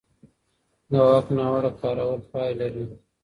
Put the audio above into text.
د واک ناوړه کارول پای لري